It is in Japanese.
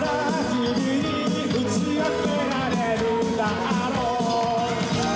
「君にうちあけられるだろう」